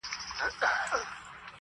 که هر څو دي په لاره کي گړنگ در اچوم~